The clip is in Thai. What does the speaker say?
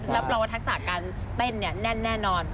รับรองวัตถักษาการเป็นแน่นนอน